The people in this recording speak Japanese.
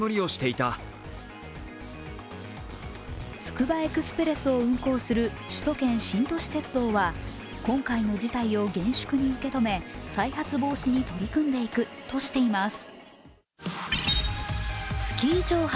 つくばエクスプレスを運行する首都圏新都市鉄道は今回の事態を厳粛に受け止め再発防止に取り組んでいくとしています。